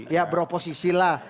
ya beroposisi lah